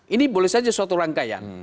ini boleh saja suatu rangkaian